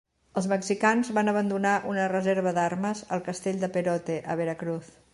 Els mexicans van abandonar una reserva d'armes al castell de Perote, a Veracruz.